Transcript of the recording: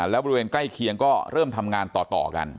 แล้วบริเวณใกล้เคียงก็เริ่มทำงานต่อกัน